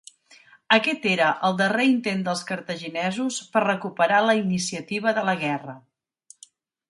Aquest era el darrer intent dels cartaginesos per recuperar la iniciativa de la guerra.